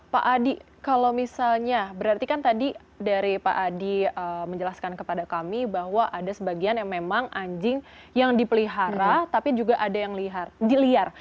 pak adi kalau misalnya berarti kan tadi dari pak adi menjelaskan kepada kami bahwa ada sebagian yang memang anjing yang dipelihara tapi juga ada yang di liar